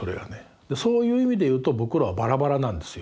そういう意味で言うと僕らはバラバラなんですよ。